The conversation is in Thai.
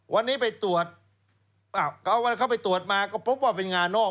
วันนี้เข้าไปตรวจมาก็พบว่าเป็นงานอก